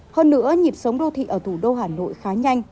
hơn nữa nhịp sống đô thị ở thủ đô hà nội khá nhanh